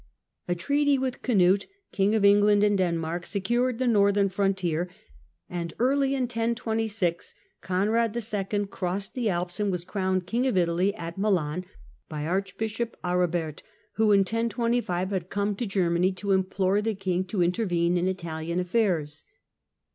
A treaty with Cnut, King of England and Denmark, sec"ured the northern frontier, and early in 1026 Conrad II. First crossed the Alps, and was crowned King of Italy at pedltion,^" Milan by Archbishop Aribert, who in 1025 had come to ^^^^ Germany to implore the king to intervene in Italian affairs.